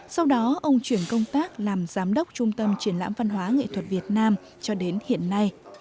sau đó ông chuyển công tác làm giám đốc trung tâm triển lãm văn hóa nghệ thuật việt nam cho đến hiện nay